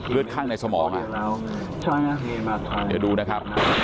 เลือดข้างในสมองอ่ะเดี๋ยวดูนะครับ